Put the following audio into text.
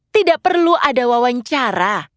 tidak perlu ada wawancara